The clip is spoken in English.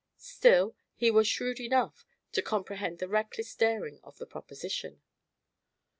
Still, he was shrewd enough to comprehend the reckless daring of the proposition.